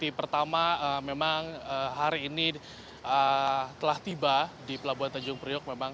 di pertama memang hari ini telah tiba di pelabuhan tanjung priok